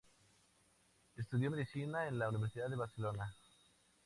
Estudió Medicina en la Universidad de Barcelona.